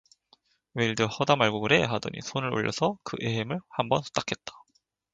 "왜 일들 허다 말구 그래?"하더니 손을 올려서 그 애헴을 한번 후딱 했다.